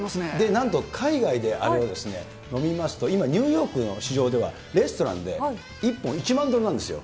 なんと、海外であれを飲みますと、今、ニューヨークの市場ではレストランで、１本１万ドルなんですよ。